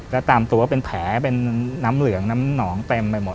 แล้วตามตัวเป็นแผลเป็นน้ำเหลืองน้ำหนองเต็มไปหมด